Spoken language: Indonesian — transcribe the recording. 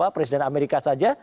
presiden amerika saja